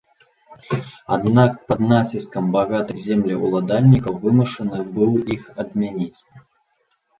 Аднак пад націскам багатых землеўладальнікаў вымушаны быў іх адмяніць.